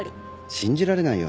信じられないよ。